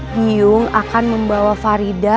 dium akan membawa farida